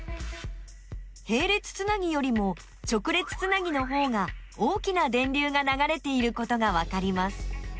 へい列つなぎよりも直列つなぎのほうが大きな電流がながれていることがわかります。